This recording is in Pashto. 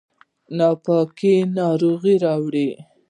ناپاکي ناروغي راوړي